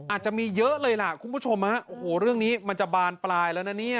อาจจะมีเยอะเลยล่ะคุณผู้ชมฮะโอ้โหเรื่องนี้มันจะบานปลายแล้วนะเนี่ย